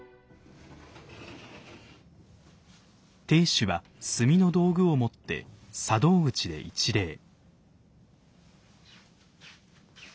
亭主は炭の道具を持って茶道口で一礼。